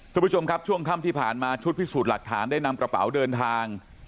คุณผู้ชมครับช่วงค่ำที่ผ่านมาชุดพิสูจน์หลักฐานได้นำกระเป๋าเดินทาง